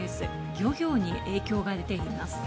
漁協に影響が出ています。